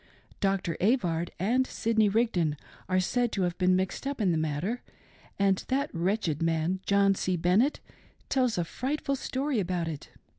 Dr. Avard and Sidney Rigdon are said to have been mixed up in the matter, and that wretched man, John C. Bennett, tells a frightful story about it.